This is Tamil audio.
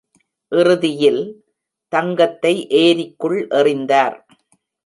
இறுதியில், தங்கத்தை ஏரிக்குள் எறிந்தார்.